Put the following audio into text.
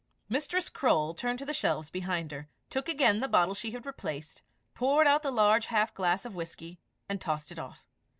Mistress Croale turned to the shelves behind her, took again the bottle she had replaced, poured out a large half glass of whisky, and tossed it off.